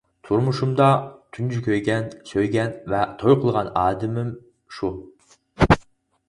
تۇرمۇشۇمدا تۇنجى كۆيگەن، سۆيگەن ۋە توي قىلغان ئادىمىم شۇ.